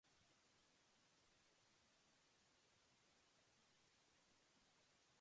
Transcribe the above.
Outside, it was raining heavily, and people were hurrying along the streets.